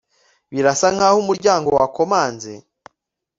Birasa nkaho umuryango wakomanze